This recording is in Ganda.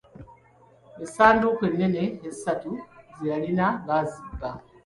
Essanduuku ennene essatu ze yalina baazibba.